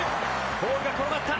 ボールが転がった。